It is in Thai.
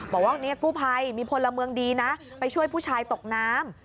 บอกว่าเนี่ยกู้ภัยมีพลเมืองดีนะไปช่วยผู้ชายตกน้ำ